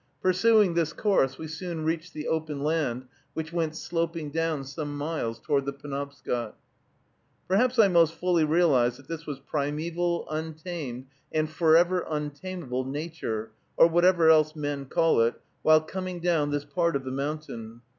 Pursuing this course, we soon reached the open land, which went sloping down some miles toward the Penobscot. Perhaps I most fully realized that this was primeval, untamed, and forever untamable Nature, or whatever else men call it, while coming down this part of the mountain.